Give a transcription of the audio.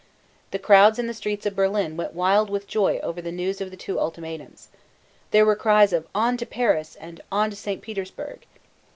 The crowds in the streets of Berlin went wild with joy over the news of the two ultimatums. There were cries of "On to Paris" and "On to St. Petersburg."